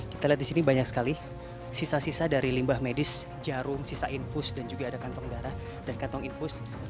kita lihat di sini banyak sekali sisa sisa dari limbah medis jarum sisa infus dan juga ada kantong darah dan kantong infus